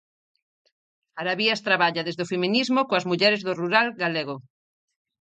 Arabías traballa desde o feminismo coas mulleres do rural galego.